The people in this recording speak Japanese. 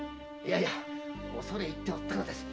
いや恐れ入っておったのです。